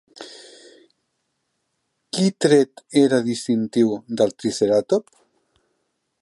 Qui tret era distintiu del triceratop?